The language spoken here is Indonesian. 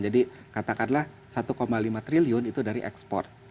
jadi katakanlah satu lima triliun itu dari ekspor